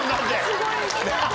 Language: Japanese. すごい。